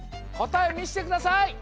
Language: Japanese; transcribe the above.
答えみしてください！